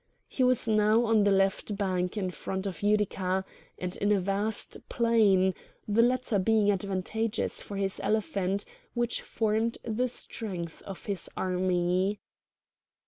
He was now on the left bank in front of Utica, and in a vast plain, the latter being advantageous for his elephants, which formed the strength of his army.